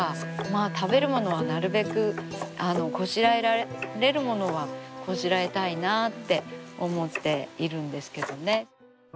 食べるものはなるべくこしらえられるものはこしらえたいなあって思っているんですけどね。